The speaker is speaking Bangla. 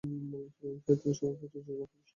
তিনি সংবাদপত্র যোজনা’র প্রতিষ্ঠাতা সম্পাদক।